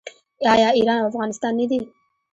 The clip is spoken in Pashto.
آیا ایران او افغانستان نه دي؟